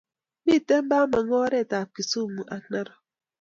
Mite bamongo oret ab Kisumu ak narok